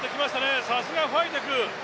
さすがファイデク。